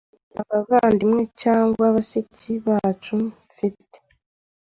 Nta bavandimwe cyangwa bashiki bacu mfite.